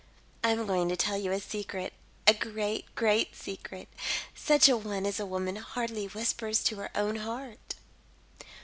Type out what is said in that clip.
I am going to tell you a secret a great, great secret such a one as a woman hardly whispers to her own heart.